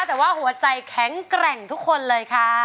แต่ว่าหัวใจแข็งแกร่งทุกคนเลยค่ะ